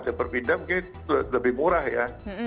ada perbidang mungkin lebih murah ya